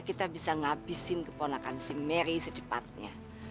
kita bisa ngabisin keponakan si mary secepatnya